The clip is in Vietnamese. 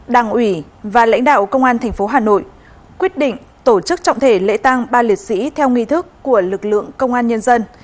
đảng ủy và lãnh đạo công an tp hà nội quyết định tổ chức trọng thể lễ tang ba liệt sĩ theo nghi thức của lực lượng công an nhân dân